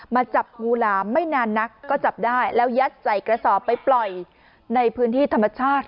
จับงูหลามไม่นานนักก็จับได้แล้วยัดใส่กระสอบไปปล่อยในพื้นที่ธรรมชาติ